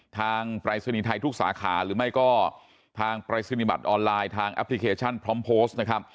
ปรายศนีย์ไทยทุกสาขาหรือไม่ก็ทางปรายศนียบัตรออนไลน์ทางแอปพลิเคชันพร้อมโพสต์นะครับ